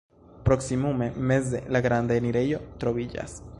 Proksimume meze la granda enirejo troviĝas.